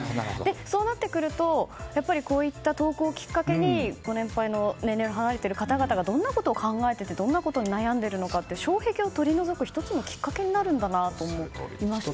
そうなってくると、やっぱりこういった投稿をきっかけにご年配の年齢を離れいる方々がどんなことを考えていてどんなことに悩んでいるのか障壁を取り除く１つのきっかけになるんだなと思いましたね。